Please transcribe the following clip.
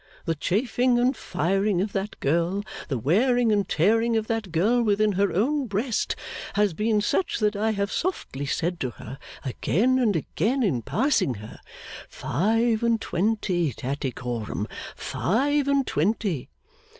The chafing and firing of that girl, the wearing and tearing of that girl within her own breast, has been such that I have softly said to her again and again in passing her, "Five and twenty, Tattycoram, five and twenty!"